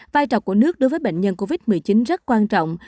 vai trò của nước đối với bệnh nhân covid một mươi chín rất quan trọng